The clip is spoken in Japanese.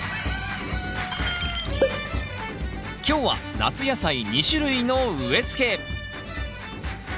今日は夏野菜２種類の植えつけ！